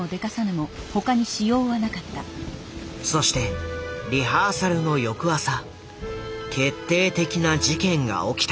そしてリハーサルの翌朝決定的な事件が起きた。